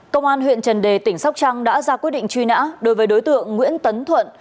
công an huyện trần đề tỉnh sóc trăng đã ra quyết định truy nã đối với đối tượng nguyễn tấn thuận